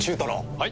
はい。